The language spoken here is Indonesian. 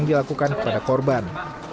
dan dilakukan kepada korban